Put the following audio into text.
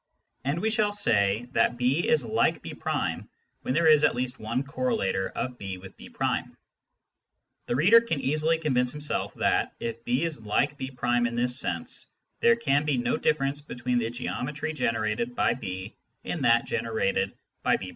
And we shall say that B is like B' when there is at least one correlator of B with B'. The reader can easily convince himself that, if B is like B' in this sense, there can be no difference between the geometry generated by B and that generated by B'.